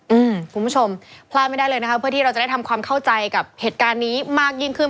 อืมคุณผู้ชมพลาดไม่ได้เลยนะคะเพื่อที่เราจะได้ทำความเข้าใจกับเหตุการณ์นี้มากยิ่งขึ้น